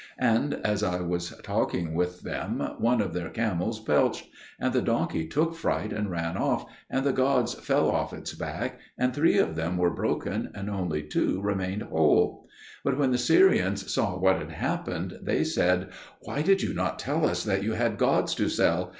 And as I was talking with them one of their camels belched, and the donkey took fright and ran off, and the gods fell off its back, and three of them were broken, and only two remained whole. But when the Syrians saw what had happened, they said, "Why did you not tell us that you had gods to sell?